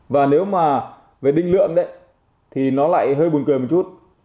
và nếu mà về định lượng đấy thì nó lại hơi buồn cười một chút